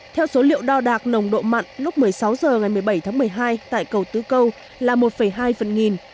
theo số liệu đo đạc nồng độ mặn lúc một mươi sáu h ngày một mươi bảy tháng một mươi hai tại cầu tứ câu là một hai phần nghìn